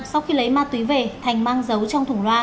sau khi lấy ma túy về thành mang giấu trong thủng loa